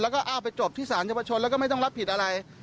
แล้วก็อ้าวไปจบที่สารเยาวชนแล้วก็ไม่ต้องรับผิดอะไร